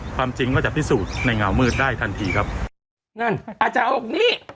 ความจริงก็จะพิสูจน์ในเงามืดได้ทันทีครับนั่นอาจารย์บอกนี่